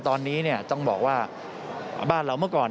ตอนนี้ต้องบอกว่าบ้านเราเมื่อก่อน